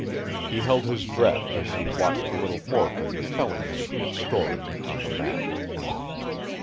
He held his breath as he watched the little forefinger telling him its story on the map.